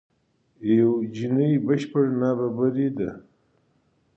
یو جیني بشپړ نابرابري ده.